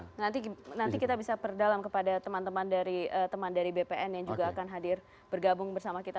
oke nanti kita bisa perdalam kepada teman teman dari bpn yang juga akan hadir bergabung bersama kita